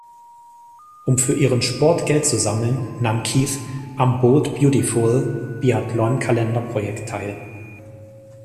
Um für ihren Sport Geld zu sammeln, nahm Keith am Bold Beautiful Biathlon-Kalender-Projekt teil.